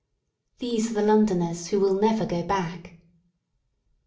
These are the Lon doners who will never go back.